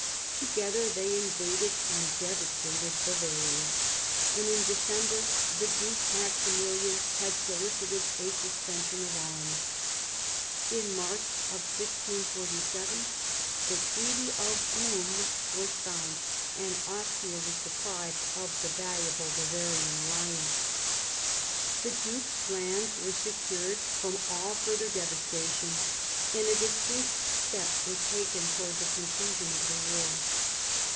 Together they invaded and devastated Bavaria, and in December the Duke Maxi milian had solicited a suspension of arms. In March 1647 the Treaty of Ulm was signed, and Austria was deprived of the valuable Bavarian alliance. The duke's lands were secured from all further devastation, and a distinct step was taken towards the conclusion of the war.